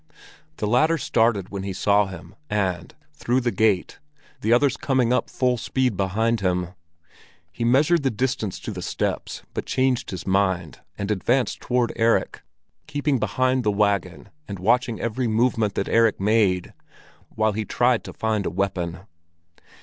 The latter started when he saw him and, through the gate, the others coming up full speed behind him. He measured the distance to the steps, but changed his mind, and advanced toward Erik, keeping behind the wagon and watching every movement that Erik made, while he tried to find a weapon.